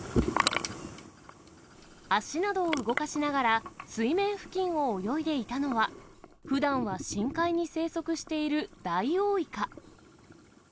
足などを動かしながら、水面付近を泳いでいたのは、ふだんは深海に生息しているダイオウイカ。